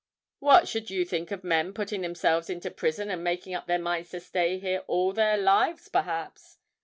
"What should you think of men putting themselves into prison, and making up their minds to stay here all their lives perhaps?"